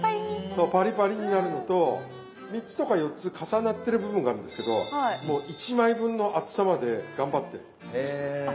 そうパリパリになるのと３つとか４つ重なってる部分があるんですけどもう１枚分の厚さまで頑張って潰す。